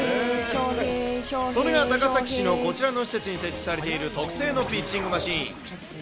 それが高崎市のこちらの施設に設置されている特製のピッチングマシン。